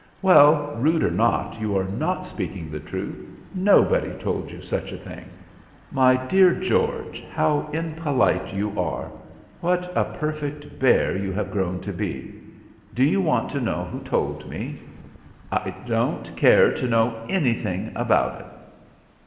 "Well, rude or not, you are not speaking the truth. Nobody told you such a thing." "My dear George, how impolite you are. What a perfect bear you have grown to be. Do you want to know who told me?" "I don't care to know anything about it."